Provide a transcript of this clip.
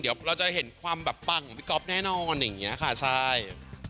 เดี๋ยวเราจะเห็นความแบบปังของพี่ก๊อฟแน่นอนอย่างนี้ค่ะใช่